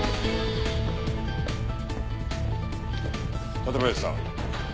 館林さん。